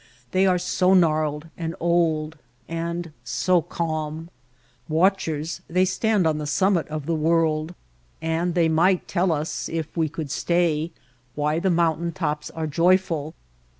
They are so gnarled and old, and so calm. Watchers, they stand on the summit of the world, and they might tell us, if we could stay, why the mountain tops are joyful.